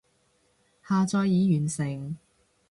下載已完成